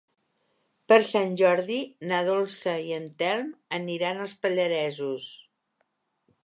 Per Sant Jordi na Dolça i en Telm aniran als Pallaresos.